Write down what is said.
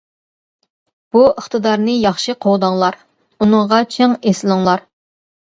بۇ ئىقتىدارنى ياخشى قوغداڭلار، ئۇنىڭغا چىڭ ئېسىلىڭلار.